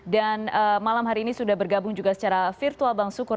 dan malam hari ini sudah bergabung juga secara virtual bang sukur